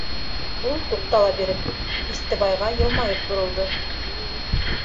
Ул, туҡтала биреп, Истебайға йылмайып боролдо: